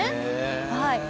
はい。